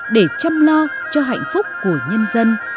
để chăm lo cho hạnh phúc của nhân dân